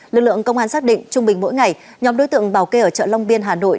lực lượng công an xác định trung bình mỗi ngày nhóm đối tượng bảo kê ở chợ long biên hà nội